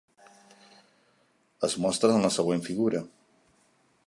Es mostren en la següent figura.